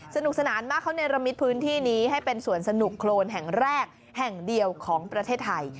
สนุกสนานมากเขาเนรมิตพื้นที่นี้ให้เป็นสวนสนุกโครนแห่งแรกแห่งเดียวของประเทศไทย